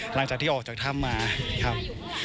หลังจากที่ออกจากถ้ำมาครับ